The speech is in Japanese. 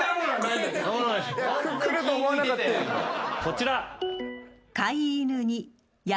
こちら。